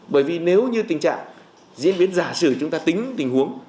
bởi vì nếu như tình trạng diễn biến giả sử chúng ta tính tình huống